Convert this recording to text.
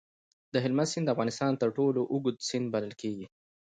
د هلمند سیند د افغانستان تر ټولو اوږد سیند بلل کېږي.